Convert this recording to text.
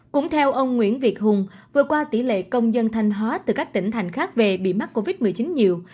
cũng theo ông nguyễn việt hùng vừa qua tỷ lệ công dân thanh hóa từ các tỉnh thành khác về bị mắc covid một mươi chín nhiều